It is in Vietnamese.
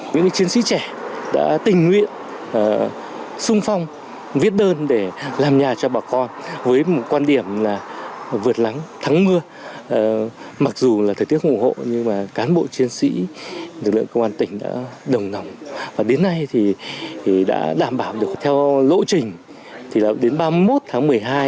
vậy là đến ba mươi một tháng một mươi hai sẽ hoàn thành cơ bản